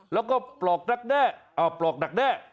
แล้วก็ปลอกดักแด้ปลอกดักแด้